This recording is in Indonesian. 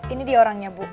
ini dia orangnya bu